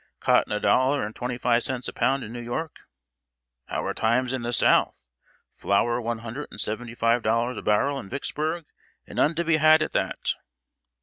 "Cotton a dollar and twenty five cents a pound in New York!" "How are times in the South? Flour one hundred and seventy five dollars a barrel in Vicksburg, and none to be had at that!"